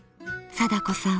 貞子さん。